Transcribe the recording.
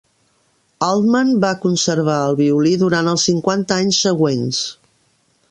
Altman va conservar el violí durant els cinquanta anys següents.